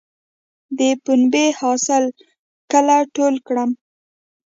د پنبې حاصل کله ټول کړم؟